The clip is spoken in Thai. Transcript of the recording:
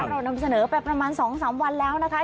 เรานำเสนอไปประมาณ๒๓วันแล้วนะคะ